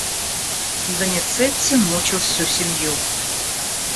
Доницетти мучил всю семью.